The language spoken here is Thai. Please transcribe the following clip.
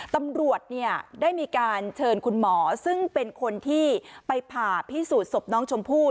ตำรวจได้มีการเชิญคุณหมอซึ่งเป็นคนที่ไปผ่าพิสูจน์ศพน้องชมพู่